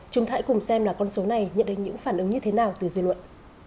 chúng ta hãy cùng xem là con số này nhận đến những phản ứng như thế nào từ dư luận